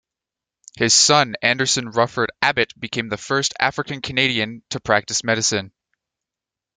His son Anderson Ruffin Abbott became the first African Canadian to practice medicine.